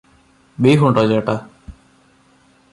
ബീഫുണ്ടോ ചേട്ടാ?